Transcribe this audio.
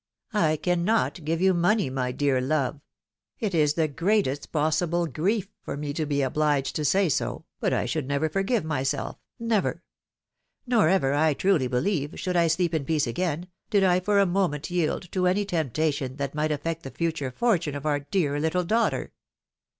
I cannot give you money, my dear love ! It is the greatest possible grief for me to be obliged to say so, but I should never forgive myself, never ! Nor ever, I truly believe, should I sleep in peace again, did I for a moment yield to any temptation that might affect the futtire fortune of our dear little daughter